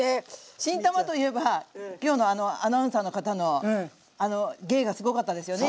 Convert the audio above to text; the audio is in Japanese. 新たまといえばきょうのあのアナウンサーの方の芸がすごかったですよね。